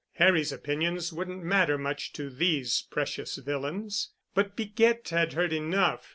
Harry's opinions wouldn't matter much to these precious villains. But Piquette had heard enough.